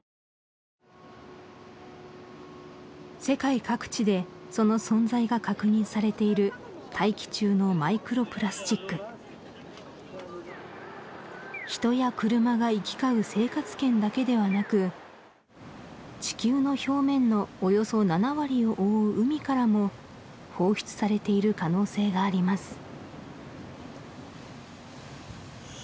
世界各地でその存在が確認されている大気中のマイクロプラスチック人や車が行き交う生活圏だけではなく地球の表面のおよそ７割を覆う海からも放出されている可能性があります